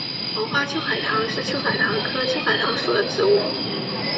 黄花秋海棠是秋海棠科秋海棠属的植物。